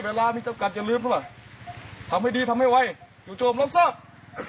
เวลามีจำกัดอย่าลืมหรือเปล่าทำให้ดีทำให้ไวจู่โจมรับทราบ